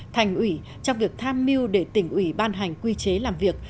thành ủy trong việc tham mưu để tỉnh ủy ban hành quy chế làm việc